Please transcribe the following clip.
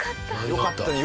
よかったね。